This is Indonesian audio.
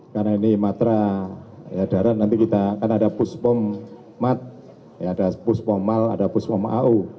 karena ini matra ya daerah nanti kita kan ada pus pom mat ya ada pus pom mal ada pus pom au